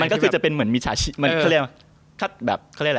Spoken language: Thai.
มันก็คือจะเป็นมีชาญคือเขาเรียกว่า